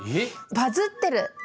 「バズってる」。